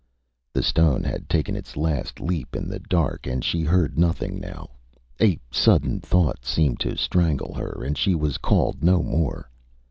Â The stone had taken its last leap in the dark, and she heard nothing now. A sudden thought seemed to strangle her, and she called no more.